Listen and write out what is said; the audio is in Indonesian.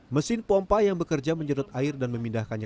mesin pompa yang bekerja menjerut air dan memindahkannya